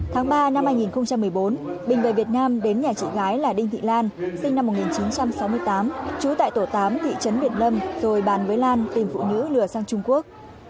tháng ba năm hai nghìn một mươi bốn bình về việt nam đến nhà chị gái là đinh thị lan sinh năm một nghìn chín trăm sáu mươi tám trú tại tổ tám thị trấn việt lâm rồi bàn với lan tìm phụ nữ lừa sang trung quốc